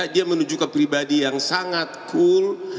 dia menunjukkan pribadi yang sangat cool